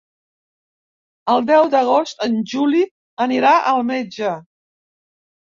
El deu d'agost en Juli anirà al metge.